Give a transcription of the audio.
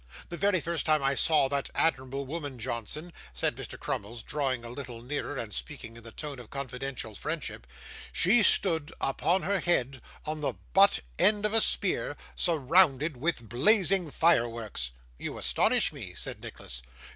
The very first time I saw that admirable woman, Johnson,' said Mr. Crummles, drawing a little nearer, and speaking in the tone of confidential friendship, 'she stood upon her head on the butt end of a spear, surrounded with blazing fireworks.' 'You astonish me!' said Nicholas.